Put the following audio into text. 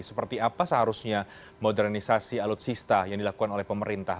seperti apa seharusnya modernisasi alutsista yang dilakukan oleh pemerintah